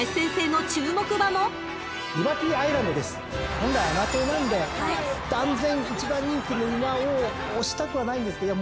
本来穴党なんで断然１番人気の馬を推したくはないんですけどいや